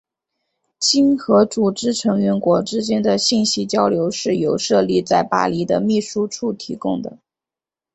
经合组织成员国之间的信息交流是由设立在巴黎的秘书处提供的。